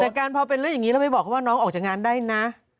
แต่การพอเป็นเรื่องอย่างนี้แล้วไปบอกเขาว่าน้องออกจากงานได้นะ